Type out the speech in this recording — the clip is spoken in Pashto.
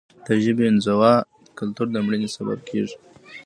د ژبې انزوا د کلتور د مړینې سبب کیږي.